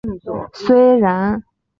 虽然最后这两种计划都未正式服役。